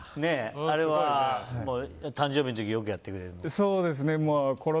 あれは、誕生日の時やってくれるんだ。